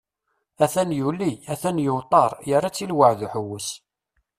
At-an yuli, atan yuṭer, yerra-tt i lweεd uḥewwes.